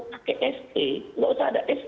pakai sp tidak usah ada sp